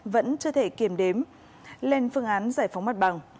vẫn chưa thể kiểm đếm lên phương án giải phóng mặt bằng